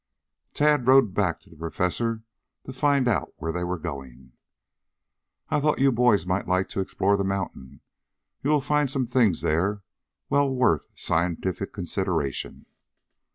Tad rode back to the Professor to find out where they were going. "I thought you boys might like to explore the mountain. You will find some things there well worth scientific consideration."